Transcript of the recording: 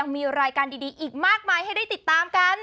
มีรายการดีอีกมากมายให้ได้ติดตามกัน